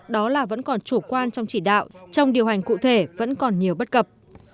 đó là vẫn còn chủ quan trong chỉ đạo trong điều hành cụ thể vẫn còn nhiều bất cập